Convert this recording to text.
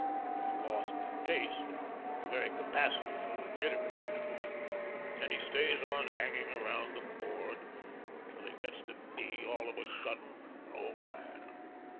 He's lost the taste, the very capacity for legitimate business, and he stays on hanging round the Board till he gets to be all of a sudden an old man.